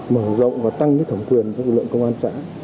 mở rộng và tăng thẩm quyền cho lực lượng công an xã